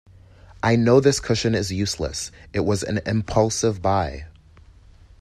I know this cushion is useless, it was an impulsive buy.